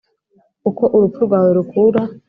uko urupfu rwawe rukura